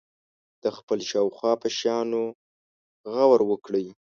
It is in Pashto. د خپل شاوخوا په شیانو غور وکړي.